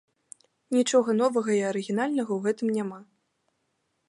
Нічога новага і арыгінальнага ў гэтым няма.